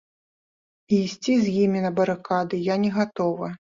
І ісці з імі на барыкады я не гатова.